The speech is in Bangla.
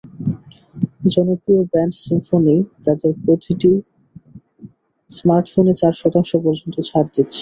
জনপ্রিয় ব্র্যান্ড সিম্ফনি তাদের প্রতিটি স্মার্টফোনে চার শতাংশ পর্যন্ত ছাড় দিচ্ছে।